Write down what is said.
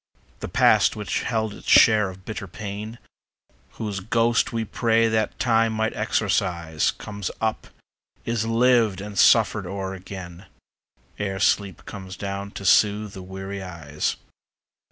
The past which held its share of bitter pain, Whose ghost we prayed that Time might exorcise, Comes up, is lived and suffered o'er again, Ere sleep comes down to soothe the weary eyes.